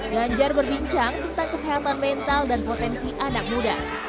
ganjar berbincang tentang kesehatan mental dan potensi anak muda